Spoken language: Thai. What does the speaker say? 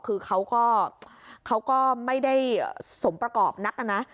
คือเขาก็ไม่ได้สมประกอบนักนะ